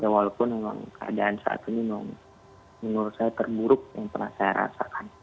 walaupun memang keadaan saat ini menurut saya terburuk yang pernah saya rasakan